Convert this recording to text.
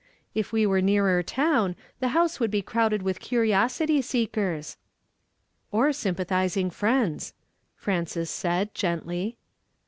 If we were nearer town, the house Avould be crowded with curiosity seekers." "Or sympathizing friends," Frances said, gently.